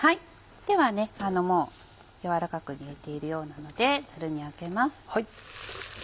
ではもう軟らかく煮えているようなのでザルにあけます。